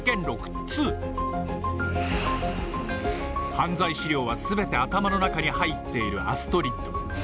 犯罪資料はすべて頭の中に入っているアストリッド。